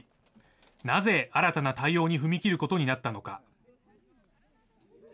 なぜ、新たな対応に踏み切ることになったのか。